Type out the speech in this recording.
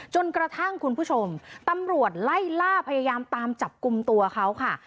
จนกระทั่งคุณผู้ชมตำรวจไล่ล่าพยายามตามจับกลุ่มตัวเขาค่ะ